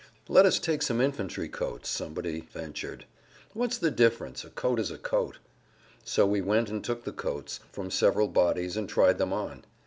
"Let us take some infantry coats," somebody ventured; "what's the difference? A coat is a coat." So we went and took the coats from several bodies and tried them on.